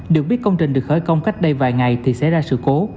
được biết công trình được khởi công cách đây vài ngày thì xảy ra sự cố